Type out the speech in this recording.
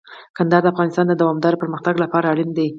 کندهار د افغانستان د دوامداره پرمختګ لپاره اړین دي.